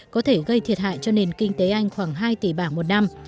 có thể gây thiệt hại cho nền kinh tế anh khoảng hai tỷ bảng một năm